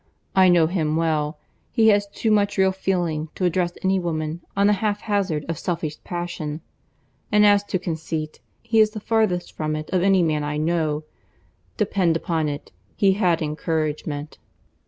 I know him well. He has too much real feeling to address any woman on the haphazard of selfish passion. And as to conceit, he is the farthest from it of any man I know. Depend upon it he had encouragement."